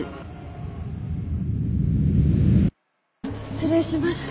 失礼しました。